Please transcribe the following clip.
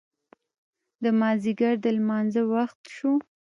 د مازدیګر د لمانځه وخت شو.